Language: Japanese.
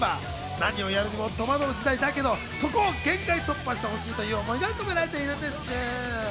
何をやるにも戸惑う時代だけど、そこを限界突破してほしいという思いが込められているんです。